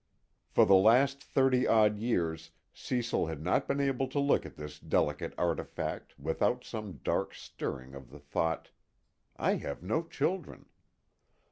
For the last thirty odd years Cecil had not been able to look on this delicate artifact without some dark stirring of the thought: _I have no children.